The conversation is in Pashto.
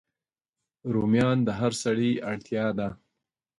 رومیان د هر سړی اړتیا ده